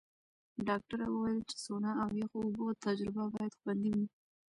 ډاکټره وویل چې سونا او یخو اوبو تجربه باید خوندي وي.